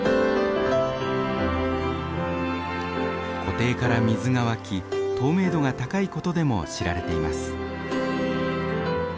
湖底から水が湧き透明度が高いことでも知られています。